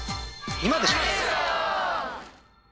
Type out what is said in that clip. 今でしょ！